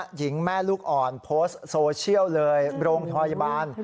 หญิงแม่ลูกอ่อนโพสต์โซเชียลเลยโรงพยาบาล